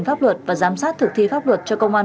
pháp luật và giám sát thực thi pháp luật cho công an